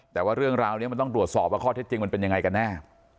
แต่ว่าเรื่องราวนี้มันต้องตรวจสอบว่าข้อเท็จจริงมันเป็นยังไงกันแน่